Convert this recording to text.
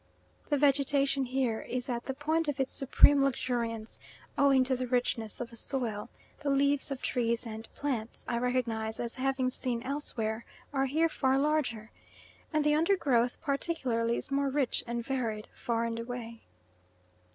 The vegetation here is at the point of its supreme luxuriance, owing to the richness of the soil; the leaves of trees and plants I recognise as having seen elsewhere are here far larger, and the undergrowth particularly is more rich and varied, far and away.